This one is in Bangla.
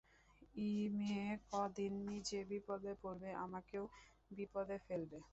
ই মেয়ে কদিন নিজে বিপদে পড়বে, আমাকেও বিপদে ফেলবে।